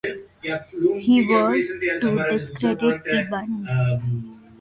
He worked to discredit the Bund.